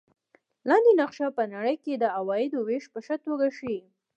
لاندې نقشه په نړۍ کې د عوایدو وېش په ښه توګه ښيي.